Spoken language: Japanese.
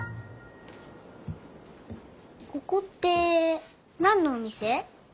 ここって何のお店？